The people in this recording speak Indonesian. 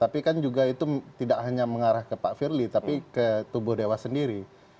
tapi kan juga itu tidak hanya mengarah ke pak firly tapi ke tubuh dewas sendiri